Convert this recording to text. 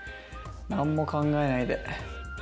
何も考えないで。